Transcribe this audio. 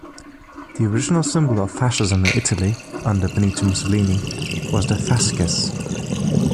The original symbol of fascism, in Italy under Benito Mussolini, was the fasces.